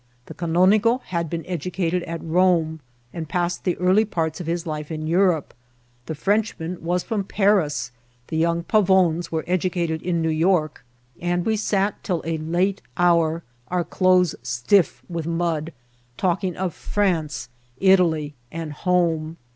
The canonigo had been educated at Rome, and passed the early part of his life in Europe ; the Frenchman was firom Paris ; the young Pavons were educated in New York ; and we sat till a late hour, Vol. L— G 6 50 INCIDSNT8 OP TRATEL. our clothes stiff with mud, talking of France, Italj^ and home.